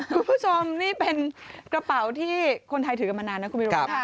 คุณผู้ชมนี่เป็นกระเป๋าที่คนไทยถือกันมานานนะคุณวิรุธค่ะ